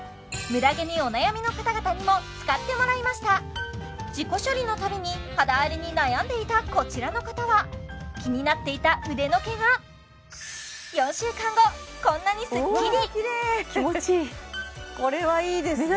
ムダ毛にお悩みの方々にも使ってもらいました自己処理のたびに肌荒れに悩んでいたこちらの方は気になっていた腕の毛が４週間後こんなにすっきりお気持ちいいわ綺麗これはいいですね